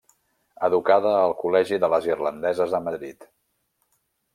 Educada al Col·legi de les Irlandeses de Madrid.